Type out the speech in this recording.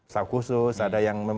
staff khusus ada yang